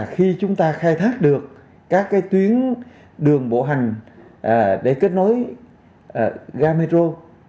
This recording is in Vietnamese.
khi chúng ta khai thác được các tuyến đường bộ hành để kết nối gà metro